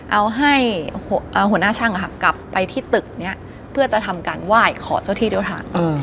เอาให้หัวหน้าช่างกลับไปที่ตึกนี้เพื่อจะทำการไหว้ขอเจ้าที่เจ้าทาง